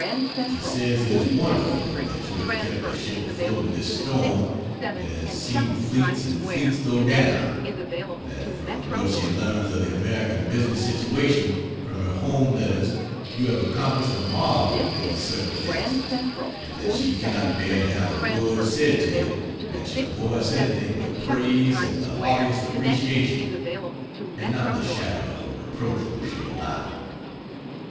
She says it is wonderful that you have kept the ship afloat in this storm that has seen fleets and fleets go down; that from what she learns of the American business situation from her home letters you have accomplished a marvel in the circumstances, and that she cannot bear to have a word said to you that shall voice anything but praise and the heartiest appreciation and not the shadow of a reproach will she allow.